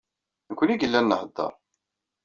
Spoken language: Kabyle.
D nekkni ay yellan nnehheṛ.